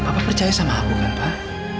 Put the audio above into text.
bapak percaya sama aku kan pak